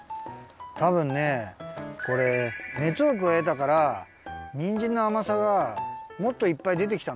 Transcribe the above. たぶんねこれねつをくわえたからにんじんのあまさがもっといっぱいでてきたんだね。